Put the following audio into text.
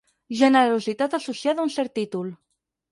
Generositat associada a un cert títol.